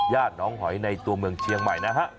น้องหอยในตัวเมืองเชียงใหม่นะฮะ